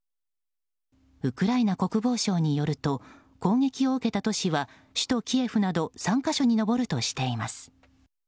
ウクライナ国防省によると攻撃を受けた都市は首都キエフなど３か所に上るとしています。